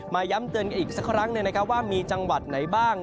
ย้ำเตือนกันอีกสักครั้งหนึ่งนะครับว่ามีจังหวัดไหนบ้าง